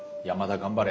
頑張れ。